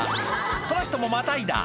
この人もまたいだ